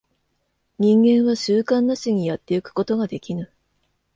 人間は習慣なしにやってゆくことができぬ。